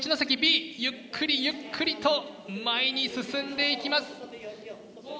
ゆっくりゆっくりと前に進んでいきます。